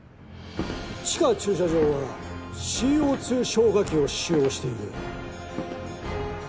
地下駐車場はＣＯ２消火器を使用している。